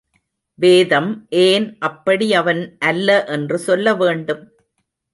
வேதம் ஏன் அப்படி அவன் அல்ல என்று சொல்ல வேண்டும்?